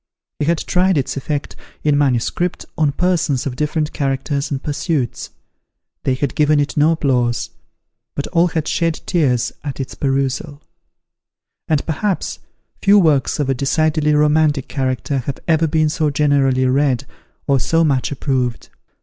He had tried its effect, in manuscript, on persons of different characters and pursuits. They had given it no applause; but all had shed tears at its perusal: and perhaps, few works of a decidedly romantic character have ever been so generally read, or so much approved.